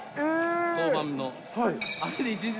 登板の日。